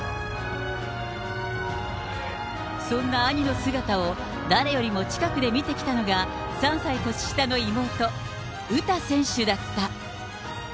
そんな兄の姿を、誰よりも近くで見てきたのが、３歳年下の妹、詩選手だった。